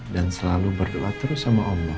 dan selalu berdoa terus sama allah